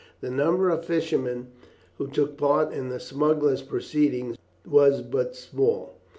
The number of fishermen who took part in the smugglers' proceedings was but small.